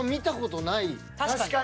確かに。